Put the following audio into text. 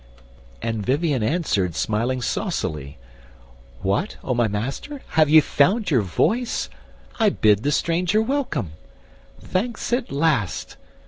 And Vivien answered smiling saucily, "What, O my Master, have ye found your voice? I bid the stranger welcome. Thanks at last!